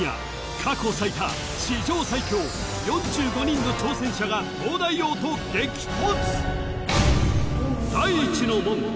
過去最多史上最強４５人の挑戦者が東大王と激突！